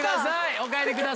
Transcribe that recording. お帰りください。